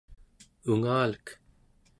ungalek